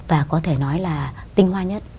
và có thể nói là tinh hoa nhất